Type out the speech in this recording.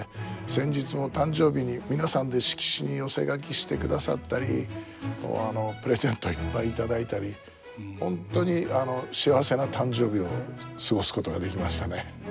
先日も誕生日に皆さんで色紙に寄せ書きしてくださったりプレゼントいっぱい頂いたり本当に幸せな誕生日を過ごすことができましたね。